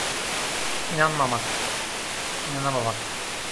İnanmamak, inanamamak.